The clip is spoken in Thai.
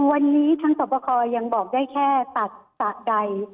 วันนี้ทางสอบประคอยังบอกได้แค่ตัดสระใด